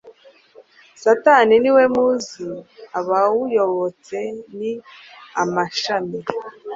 Satani ni we muzi abawuyobotse ni amashami.